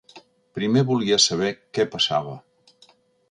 Primer volia saber què passava.